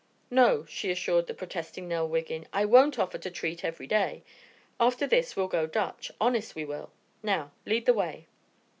"No," she assured the protesting Nell Wiggin, "I won't offer to treat every day. After this we'll go Dutch, honest we will! Now lead the way."